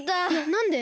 なんで？